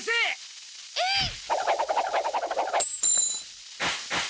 えいっ！